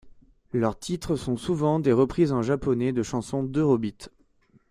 Leurs titres sont souvent des reprises en japonais de chansons d'eurobeat.